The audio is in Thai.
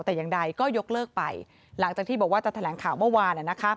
แต่อย่างใดก็ยกเลิกไปหลังจากที่บอกว่าจะแถลงข่าวเมื่อวาน